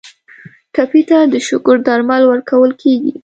ټپي ته د شکر درمل ورکول کیږي.